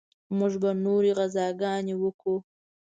موږ به نورې غزاګانې وکو.